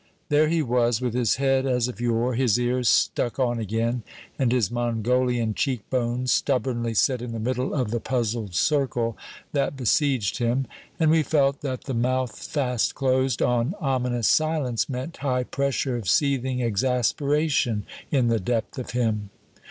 There he was, with his head as of yore, his ears "stuck on again" and his Mongolian cheekbones stubbornly set in the middle of the puzzled circle that besieged him; and we felt that the mouth fast closed on ominous silence meant high pressure of seething exasperation in the depth of him.